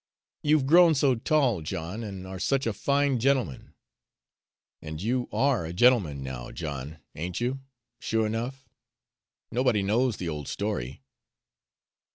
"You've grown so tall, John, and are such a fine gentleman! And you ARE a gentleman now, John, ain't you sure enough? Nobody knows the old story?"